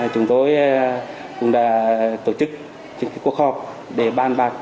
chúng tôi cũng đã tổ chức cuộc họp để ban bạc